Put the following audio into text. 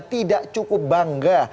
tidak cukup bangga